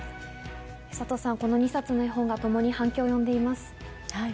サトさん、この２冊の絵本が反響を呼んでいます。